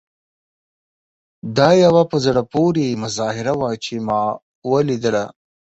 دا یوه په زړه پورې مظاهره وه چې ما ولیدله.